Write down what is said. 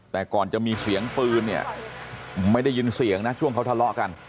แต่ก่อนจะมีเสียงปืนเนี่ยไม่ได้ยินเสียงนะช่วงเขาทะเลาะกัน